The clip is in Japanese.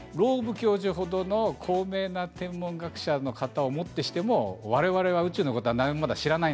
教授程の高名な天文学者の方を持ってしても我々は宇宙のことは何も知らない。